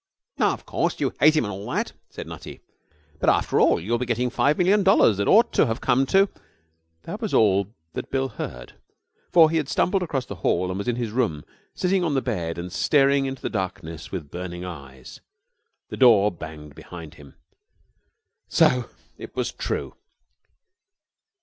'Of course, you hate him and all that,' said Nutty; 'but after all you will be getting five million dollars that ought to have come to ' That was all that Bill heard, for he had stumbled across the hall and was in his room, sitting on the bed and staring into the darkness with burning eyes. The door banged behind him. So it was true!